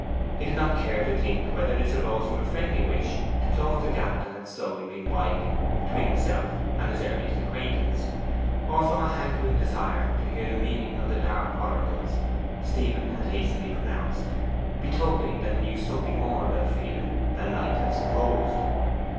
He did not care to think whether this arose from a friendly wish to close the gap that had slowly been widening between himself and his earliest acquaintance, or from a hankering desire to hear the meaning of the dark oracles Stephen had hastily pronounced, betokening that he knew something more of Elfride than Knight had supposed.